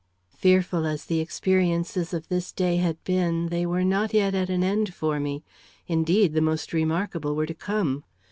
HAMLET. Fearful as the experiences of this day had been, they were not yet at an end for me. Indeed, the most remarkable were to come.